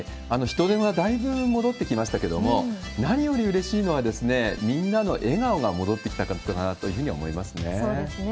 人出がだいぶ戻ってきましたけれども、何よりうれしいのは、みんなの笑顔が戻ってきたことかなというふうに思いますね。